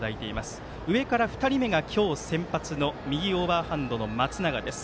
上から２人目が今日、先発の右オーバーハンド松永です。